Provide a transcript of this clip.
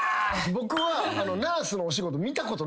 僕は。